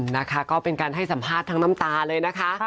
นะคะก็เป็นการให้สัมภาษณ์ทั้งน้ำตาเลยนะคะ